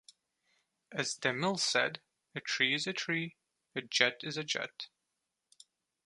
As De Mille said, a tree is a tree, a jet is a jet.